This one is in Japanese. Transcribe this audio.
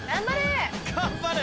頑張れ！